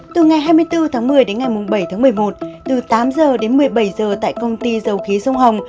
từ ngày hai mươi bốn một mươi đến ngày bảy một mươi một từ tám h đến một mươi bảy h tại công ty dầu khí sông hồng